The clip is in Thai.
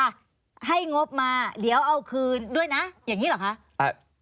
อ่ะให้งบมาเดี๋ยวเอาคืนด้วยนะอย่างนี้เหรอคะ